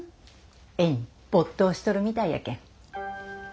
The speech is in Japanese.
絵にぼっ頭しとるみたいやけん。